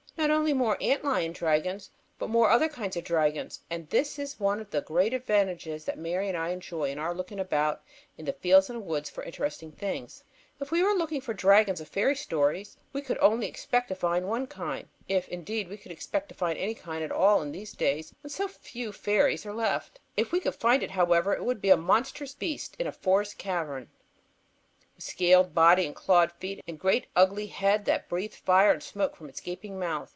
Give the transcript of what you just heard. Not only more ant lion dragons, but more other kinds of dragons. And this is one of the great advantages that Mary and I enjoy in our looking about in the fields and woods for interesting things. If we were looking for the dragons of fairy stories, we could only expect to find one kind if, indeed, we could expect to find any kind at all in these days when so few fairies are left. If we could find it, however, it would be a monstrous beast in a forest cavern, with scaled body and clawed feet and great ugly head that breathed fire and smoke from its gaping mouth.